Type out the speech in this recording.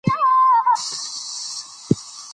لیکوالان هڅه کوي فلسفي مفاهیم بیان کړي.